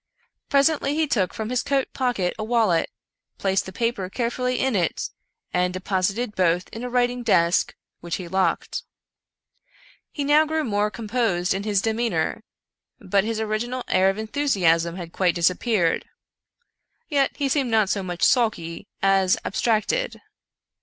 Presently he took from his coat pocket a wallet, placed the paper carefully in it, and deposited both in a writing desk, which he locked. He now grew more com posed in his demeanor; but his original air of enthusiasm had quite disappeared. Yet he seemed not so much sulky as abstracted.